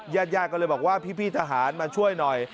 ญาติญาติก็เลยบอกว่าพี่ทหารมาช่วยหน่อย